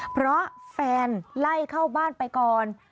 เพราะแฟนไล่เข้าบ้านไปก่อน